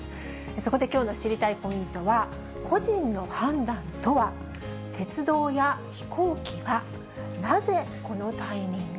そこできょうの知りたいポイントは、個人の判断とは、鉄道や飛行機は、なぜこのタイミング？